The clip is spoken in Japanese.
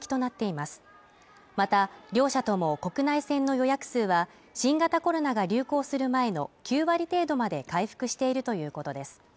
また、両社とも国内線の予約数は新型コロナが流行する前の９割程度まで回復しているということです。